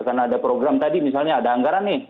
karena ada program tadi misalnya ada anggaran nih